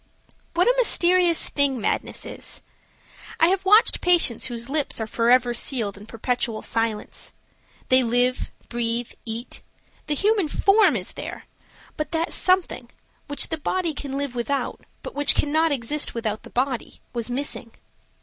What a mysterious thing madness is. I have watched patients whose lips are forever sealed in a perpetual silence. They live, breathe, eat; the human form is there, but that something, which the body can live without, but which cannot exist without the body, was missing.